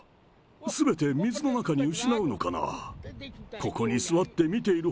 すべて水の中に失うのかな？